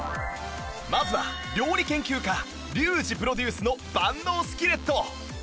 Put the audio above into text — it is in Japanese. まずは料理研究家リュウジプロデュースの万能スキレット